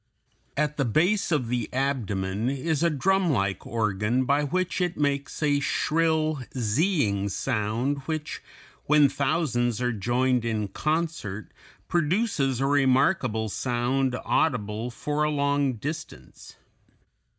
At the base of the abdomen is a drumlike organ by which it makes a shrill "zeeing" sound which, when thousands are joined in concert, produces a remarkable sound audible for a long distance.